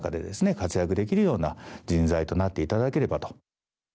活躍できるような人材となっていただければと。